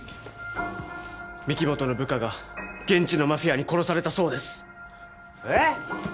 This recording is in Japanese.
御木本の部下が現地のマフィアに殺されたそうですええ！？